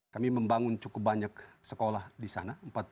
kami membangun cukup banyak sekolah di sana